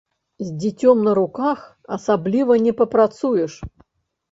З дзіцём на руках асабліва не папрацуеш.